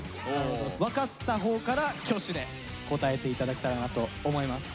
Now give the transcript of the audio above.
分かったほうから挙手で答えて頂きたいなと思います。